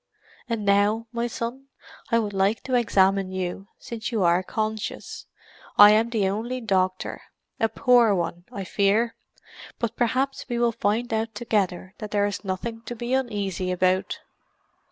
And now, my son, I would like to examine you, since you are conscious. I am the only doctor—a poor one, I fear. But perhaps we will find out together that there is nothing to be uneasy about."